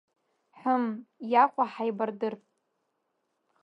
Ҳм, иахәа, ҳаибардыр.